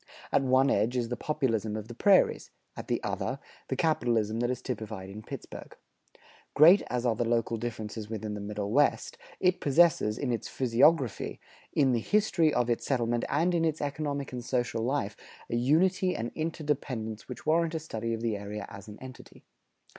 At one edge is the Populism of the prairies; at the other, the capitalism that is typified in Pittsburgh. Great as are the local differences within the Middle West, it possesses, in its physiography, in the history of its settlement, and in its economic and social life, a unity and interdependence which warrant a study of the area as an entity.